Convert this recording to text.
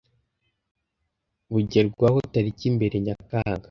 bugerwaho tariki mbere Nyakanga